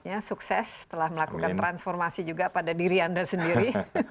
ya sukses telah melakukan transformasi juga pada diri anda sendiri